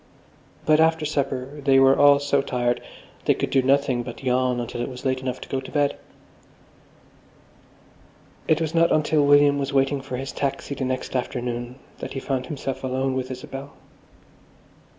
But after supper they were all so tired they could do nothing but yawn until it was late enough to go to bed.... It was not until William was waiting for his taxi the next afternoon that he found himself alone with Isabel.